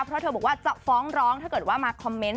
เพราะเธอบอกว่าจะฟ้องร้องถ้าเกิดว่ามาคอมเมนต์